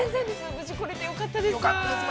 無事来れてよかったです。